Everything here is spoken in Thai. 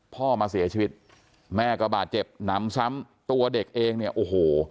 พ่อมาเสียชีวิตแม่ก็บาดเจ็บหนำซ้ำตัวเด็กเองเนี่ยโอ้โห